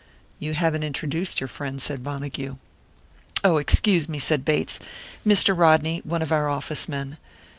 "You haven't introduced your friend," said Montague. "Oh, excuse me," said Bates. "Mr. Rodney, one of our office men."